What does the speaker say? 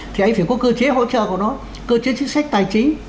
thì anh phải có cơ chế hỗ trợ của nó cơ chế chính sách tài chính